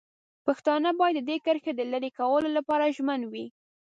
پښتانه باید د دې کرښې د لرې کولو لپاره ژمن وي.